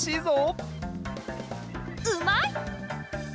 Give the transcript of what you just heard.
うまい！